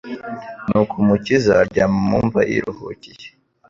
nuko Umukiza aryama mu mva, yiruhukiye.